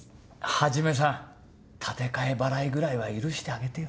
一さん立て替え払いぐらいは許してあげてよ。